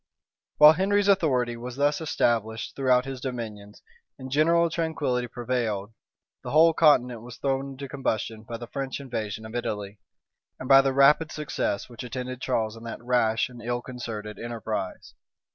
While Henry's authority was thus established throughout his dominions, and general tranquillity prevailed, the whole continent was thrown into combustion by the French invasion of Italy, and by the rapid success which attended Charles in that rash and ill concerted enterprise.